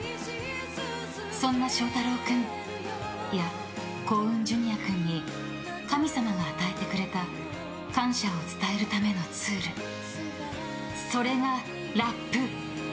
そんな祥太郎君いや、幸雲Ｊｒ．君に神様が与えてくれた感謝を伝えるためのツールそれがラップ！